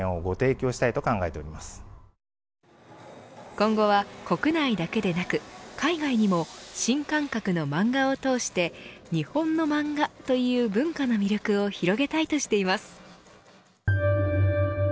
今後は、国内だけでなく海外にも、新感覚の漫画を通して日本の漫画という文化の魅力を広げたいとしています。